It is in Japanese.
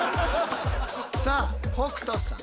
さあ北斗さん。